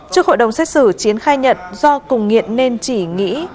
trước hội đồng xét xử chiến khai nhận do cùng nghiện nên chỉ nghĩ